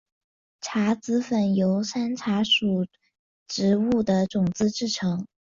茶籽粉由山茶属植物的种子制成。